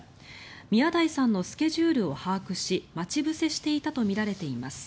宮台さんのスケジュールを把握し待ち伏せしていたとみられています。